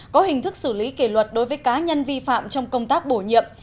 có hình thức xử lý kỷ luật đối với cá nhân vi phạm trong công tác bổ nhiệm